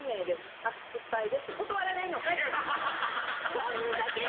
そんだけ。